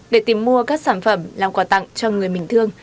để tìm mua các sản phẩm làm quà tặng cho người bình thương